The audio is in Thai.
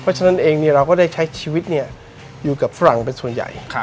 เพราะฉะนั้นเองเราก็ได้ใช้ชีวิตอยู่กับฝรั่งเป็นส่วนใหญ่